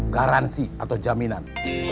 garansi atau jaminan